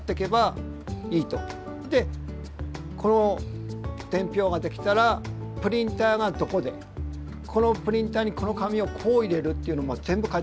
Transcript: でこの伝票ができたらプリンターがどこでこのプリンターにこの紙をこう入れるっていうのも全部書いてあります。